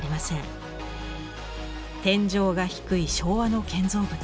天井が低い昭和の建造物。